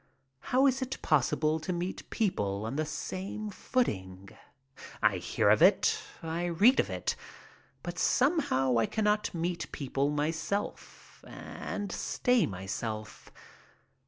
How is it possible to meet people on the same footing? I hear of it, I read of it, but somehow I cannot meet people myself and stay myself.